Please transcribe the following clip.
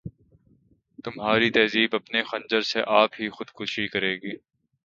تمہاری تہذیب اپنے خنجر سے آپ ہی خودکشی کرے گی